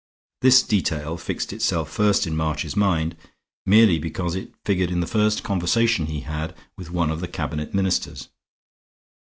This detail fixed itself first in March's mind merely because it figured in the first conversation he had with one of the cabinet ministers.